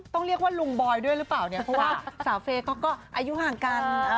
ต้องเรียกว่าลุงบอยด้วยหรือเปล่าเนี่ยเพราะว่าสาวเฟย์เขาก็อายุห่างกัน